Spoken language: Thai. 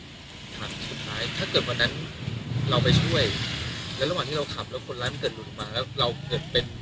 แล้วระหว่างที่เราขับแล้วคนร้ายมันเกิดหนุนมาแล้วเราเกิดเป็น